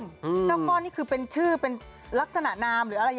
เจ้าก้อนนี่คือเป็นชื่อเป็นลักษณะนามหรืออะไร